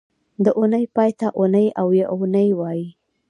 د اونۍ پای ته اونۍ او یونۍ وایي